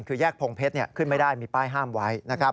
คือแยกพงเพชรขึ้นไม่ได้มีป้ายห้ามไว้นะครับ